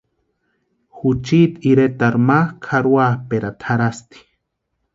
Juchiti iretarhu mákʼu jarhoapʼerata jarhasti.